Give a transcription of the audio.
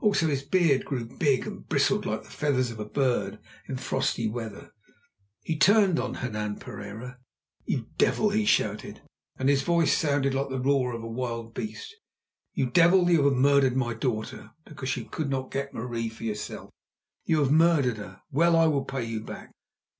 Also his beard grew big and bristled like the feathers of a bird in frosty weather. He turned on Hernan Pereira. "You devil!" he shouted, and his voice sounded like the roar of a wild beast; "you devil, you have murdered my daughter! Because you could not get Marie for yourself, you have murdered her. Well, I will pay you back!"